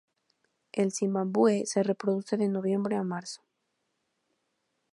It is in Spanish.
En Zimbabue se reproduce de noviembre a marzo.